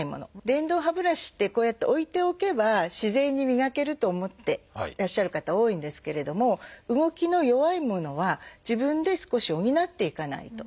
電動歯ブラシってこうやって置いておけば自然に磨けると思ってらっしゃる方多いんですけれども動きの弱いものは自分で少し補っていかないと。